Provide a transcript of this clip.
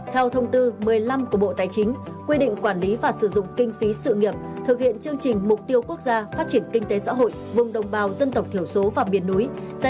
theo thông tư một mươi năm của bộ tài chính quy định quản lý và sử dụng kinh phí sự nghiệp thực hiện chương trình mục tiêu quốc gia phát triển kinh tế xã hội vùng đồng bào dân tộc thiểu số vào biển núi